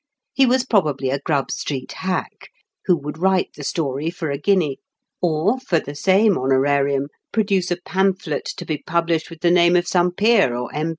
He was probably a Grub Street hack, who would write the story for a guinea, or, for the same honorarium, produce a pamphlet to be published with the name of some peer or M.